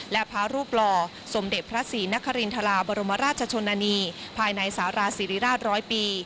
และพระรูปหล่อสมเด็จพระศรีนครินทราบรมราชชนนานีภายในสาราศิริราชร้อยปี